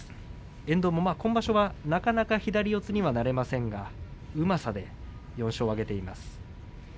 遠藤も今場所は、なかなか左四つにはなれませんがうまさで４勝を挙げています。